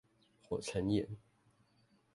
火成岩